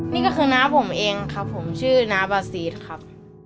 นี่ก็คือน้าผมเองครับผมชื่อน้าบาซีสครับ